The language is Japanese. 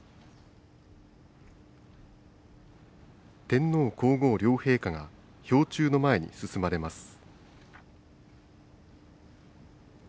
天皇皇后両陛下が標柱の前に進まれます。